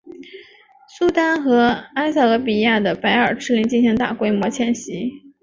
苏丹和埃塞俄比亚的白耳赤羚进行大规模迁徙。